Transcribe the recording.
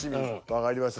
わかりました。